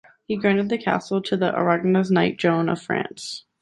He granted the castle to the Aragonese knight Joan of France.